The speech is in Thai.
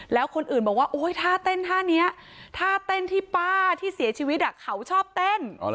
แล้วคนอื่นบอกว่าท่าเต้นท่านี้ท่าเต้นที่ป้าที่เสียชีวิตเขาชอบเต้น